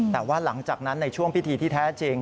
แต่ว่าหลังจากนั้นในช่วงพิธีที่แท้จริง